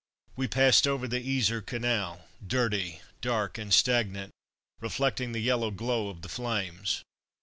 We passed over the Yser Canal, dirty, dark and stagnant, reflecting the yellow glow of the flames.